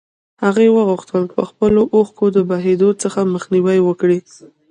هغې غوښتل د خپلو اوښکو د بهېدو څخه مخنيوی وکړي.